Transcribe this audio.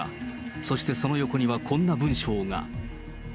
そしてその横には、こんな文章が。